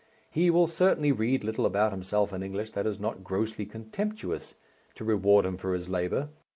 He will certainly read little about himself in English that is not grossly contemptuous, to reward him for his labour.